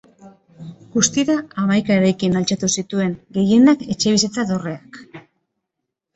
Guztira hamaika eraikin altxatu zituzten, gehienak etxebizitza dorreak.